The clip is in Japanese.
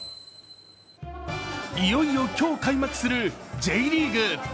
いよいよ今日開幕するＪリーグ。